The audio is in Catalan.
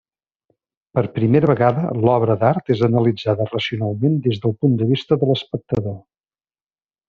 Per primera vegada, l'obra d'art és analitzada racionalment des del punt de vista de l'espectador.